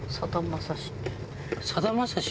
さだまさし？